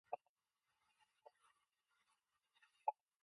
Marked differences in facial appearance occur due to decreased muscle tone.